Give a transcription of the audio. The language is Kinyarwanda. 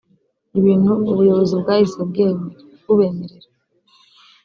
ibintu ubuyobozi bwahise bubemerera